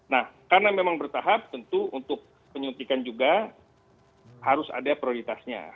nah karena memang bertahap tentu untuk penyuntikan juga harus ada prioritasnya